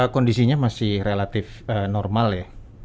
kondisinya masih relatif normal ya